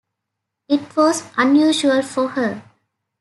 It was unusual for her.